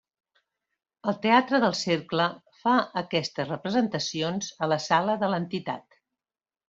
El Teatre del Cercle fa aquestes representacions a la sala de l'entitat.